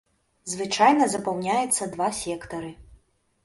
Звычайна запаўняецца два сектары.